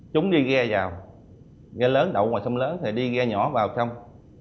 chúng đi ghe vào ghe lớn đậu ngoài sông lớn thì đi ghe nhỏ vào trong